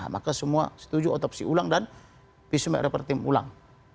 maka semua setuju otopsi ulang dan pismat repartim ulang